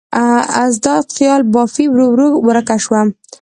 ازاده خیال بافي ورو ورو ورکه شوه.